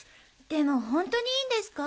でもほんとにいいんですか？